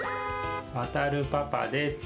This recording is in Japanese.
わたるパパです。